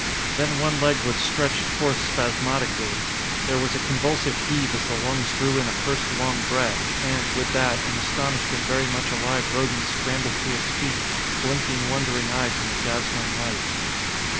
Then one leg was stretched forth spasmodically. There was a convulsive heave as the lungs drew in a first long breath, and, with that, an astonished and very much alive rodent scrambled to its feet, blinking wondering eyes in the dazzling light.